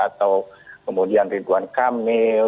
atau kemudian ridwan kamil